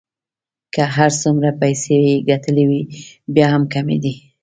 که هر څومره پیسې يې ګټلې وې بیا هم کمې دي.